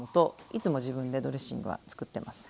いつも自分でドレッシングは作ってます。